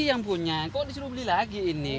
ini yang punya kok disuruh beli lagi ini kan